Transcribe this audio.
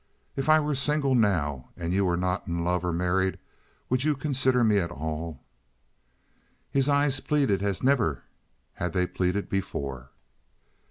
"If I were single now, and you were not in love or married, would you consider me at all?" His eyes pleaded as never had they pleaded before.